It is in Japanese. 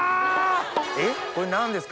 えっこれ何ですか？